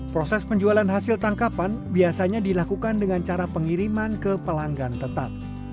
proses penjualan hasil tangkapan biasanya dilakukan dengan cara pengiriman ke pelanggan tetap